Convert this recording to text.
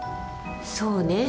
そうね